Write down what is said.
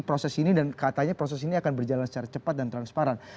proses ini dan katanya proses ini akan berjalan secara cepat dan transparan